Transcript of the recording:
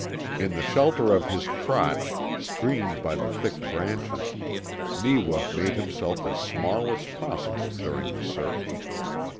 In the shelter of his crotch, screened by the thick branches, Neewa made himself as small as possible during the search.